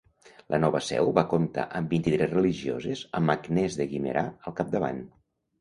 La nova seu va comptar amb vint-i-tres religioses amb Agnès de Guimerà al capdavant.